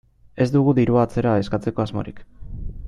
Ez dugu dirua atzera eskatzeko asmorik.